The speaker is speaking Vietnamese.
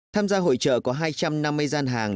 tham gia hội trợ có hai trăm năm mươi gian hàng